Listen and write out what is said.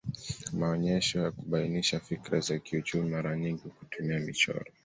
Maonyesho ya kubainisha fikira za kiuchumi mara nyingi hutumia michoro